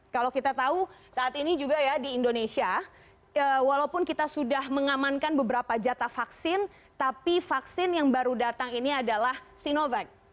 kalau kita tahu saat ini juga ya di indonesia walaupun kita sudah mengamankan beberapa jatah vaksin tapi vaksin yang baru datang ini adalah sinovac